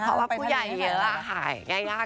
เพราะว่าผู้ใหญ่เยอะหายง่าย